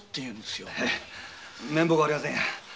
面目ありません。